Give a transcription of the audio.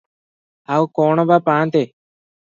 ଆଉ କଅଣ ବା ପାଆନ୍ତେ?